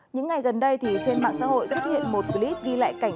những ngày gần đây trên mạng xã hội xuất hiện một clip ghi lại cảnh